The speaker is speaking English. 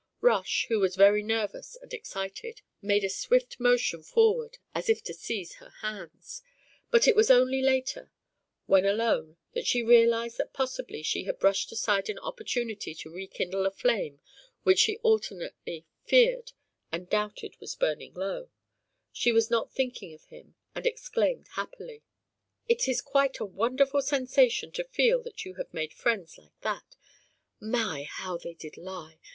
Rush, who was very nervous and excited, made a swift motion forward as if to seize her hands. But it was only later, when alone, that she realised that possibly she had brushed aside an opportunity to rekindle a flame which she alternately feared and doubted was burning low; she was not thinking of him and exclaimed happily: "It is quite a wonderful sensation to feel that you have made friends like that. My! how they did lie!